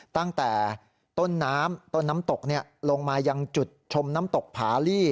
ตั้งแต่ต้นน้ำต้นน้ำตกลงมายังจุดชมน้ำตกผาลี่